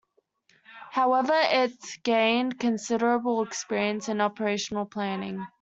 However, it gained considerable experience in operational planning.